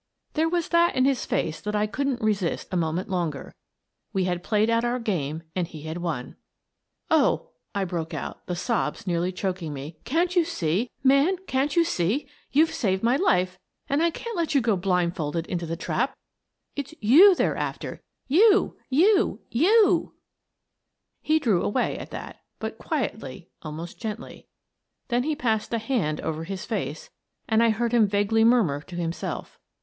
" There was that in his face that I couldn't resist a moment longer. We had played out our game and he had won. " Oh," I broke out, the sobs nearly choking me, "can't you see? Man, can't you see? You saved my life, and I can't let you go blindfolded into the trap; it's you they're after — you, you, youl" He drew away at that, but quietly, almost gently. Then he passed a hand over his face, and I heard him vaguely murmur to himself.